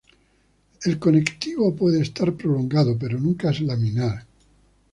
El conectivo puede estar prolongado, pero nunca es laminar.